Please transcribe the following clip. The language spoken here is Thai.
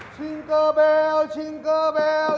จุงกันไปจุงกันไปพาวัดใหม่พี่เลน